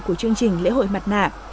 của chương trình lễ hội mặt nạ